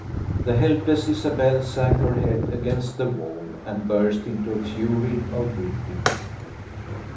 The helpless Isabel sank her head against the wall and burst into a fury of weeping.